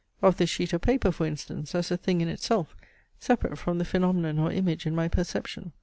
Of this sheet of paper for instance, as a thing in itself, separate from the phaenomenon or image in my perception.